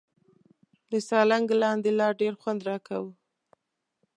د سالنګ لاندې لار ډېر خوند راکاوه.